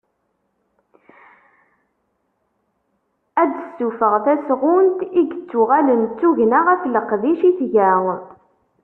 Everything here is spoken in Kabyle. Ad d-tessufeɣ tasɣunt i yettuɣalen d tugna ɣef leqdic i tga.